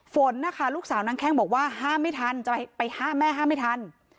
ฝนนะคะลูกสาวนางแข้งบอกว่าห้ามไม่ทันจะไปห้ามแม่ห้ามไม่ทัน